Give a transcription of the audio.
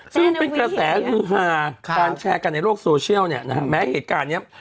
ซึ่งเป็นกระแสฮือฮาการแชร์กันในโลกโซเชียลเนี่ยนะฮะแม้เหตุการณ์เนี้ย